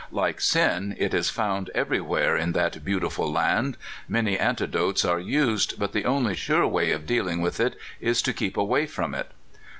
Like sin, it is found everywhere in that beautiful land. Many antidotes are used, but the only sure way of dealing with it is to keep away from it.